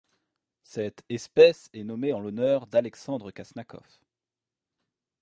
Cette espèce est nommée en l'honneur d'Alexandre Kaznakov.